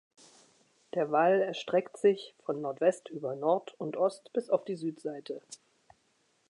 Der Wall erstreckt sich von Nordwest über Nord und Ost bis auf die Südseite.